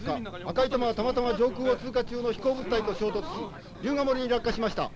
赤い玉はたまたま上空を通過中の飛行物体と衝突し竜ヶ森に落下しました。